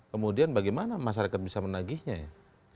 kemudian bagaimana masyarakat bisa menagihnya ya